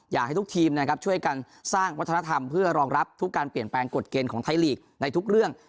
อยากให้ทุกทีมนะครับช่วยกันสร้างวัฒนธรรมเพื่อรองรับทุกการเปลี่ยนแปลงกฎเกณฑ์ของไทยลีกในทุกเรื่อง